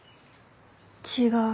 違う。